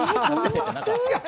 違う！